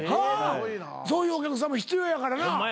そういうお客さんも必要やからな。